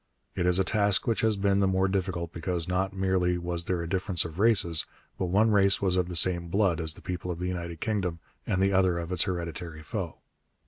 It is a task which has been the more difficult because not merely was there a difference of races, but one race was of the same blood as the people of the United Kingdom and the other of its hereditary foe.